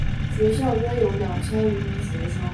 学校约有两千余名学生。